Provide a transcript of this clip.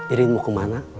irien mau kemana